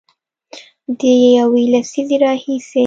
د یوې لسیزې راهیسې